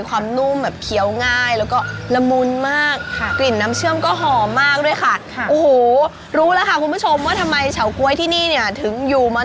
ก็มาสิของดีเมืองเบตตง